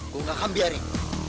gue gak akan biarin